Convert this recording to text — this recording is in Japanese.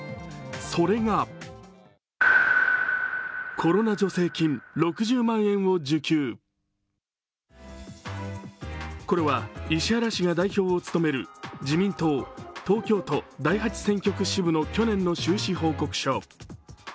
それがこれは石原氏が代表を務める自民党東京都第八選挙区支部の去年の収支報告書。